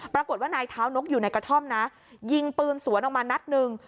ปรากฏว่านายเท้านกอยู่ในกระท่อมนะยิงปืนสวนออกมานัดหนึ่ง